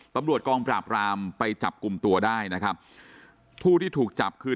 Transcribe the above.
ตำรวจกองปราบรามไปจับกลุ่มตัวได้นะครับผู้ที่ถูกจับคือ